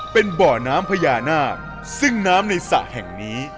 เป็นบ่อน้ำพญานาคซึ่งน้ำในสระแห่งนี้